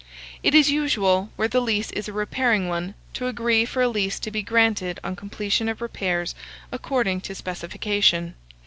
It is usual, where the lease is a repairing one, to agree for a lease to be granted on completion of repairs according to specification.